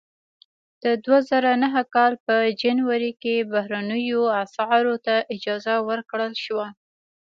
د دوه زره نهه کال په جنوري کې بهرنیو اسعارو ته اجازه ورکړل شوه.